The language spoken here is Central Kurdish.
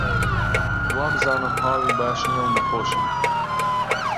وابزانم حاڵی باش نییە و نەخۆشە